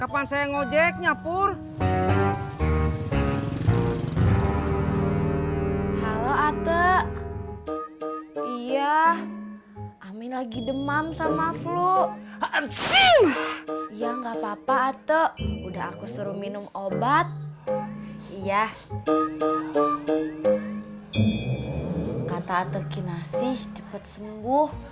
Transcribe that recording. mari mari kang